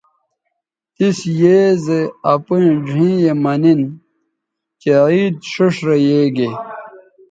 تِس بے زی اپیئں ڙھیئں یے مہ نِن چہء عید ݜیئݜ رے یے گے